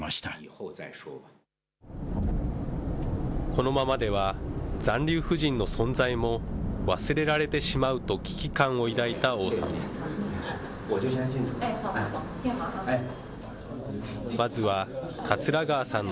このままでは、残留婦人の存在も忘れられてしまうと危機感を抱いた王さん。